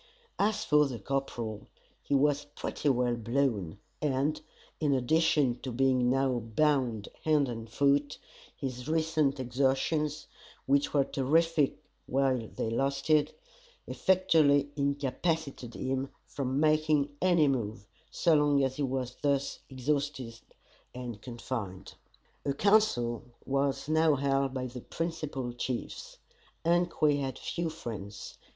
As for the corporal, he was pretty well blown, and, in addition to being now bound hand and foot, his recent exertions, which were terrific while they lasted, effectually incapacitated him from making any move, so long as he was thus exhausted and confined. A council was now held by the principal chiefs. Ungque had few friends.